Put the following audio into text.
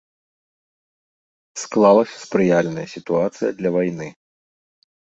Склалася спрыяльная сітуацыя для вайны.